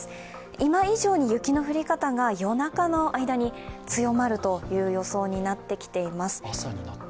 今以上に雪の降り方が夜中の間に強まる予想になってきています。